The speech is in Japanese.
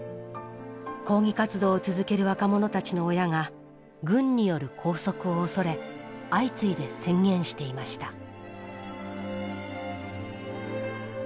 抗議活動を続ける若者たちの親が軍による拘束を恐れ相次いで宣言していました。